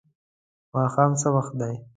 ماښام څه وخت دی؟